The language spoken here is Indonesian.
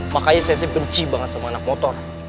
makanya sensei benci banget sama anak motor